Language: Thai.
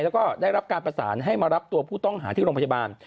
แล้วก็ได้รับการประสานให้มารับตัวผู้ต้องหาที่โรงพยาบาล